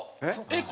えっ！